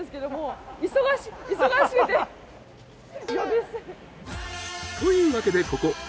というわけでここ。